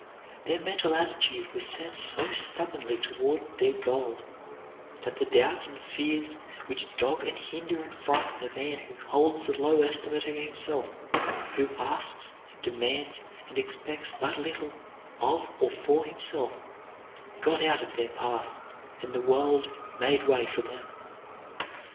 Their mental attitude was set so stubbornly toward their goal that the doubts and fears which dog and hinder and frighten the man who holds a low estimate of himself, who asks, demands, and expects but little, of or for himself, got out of their path, and the world made way for them.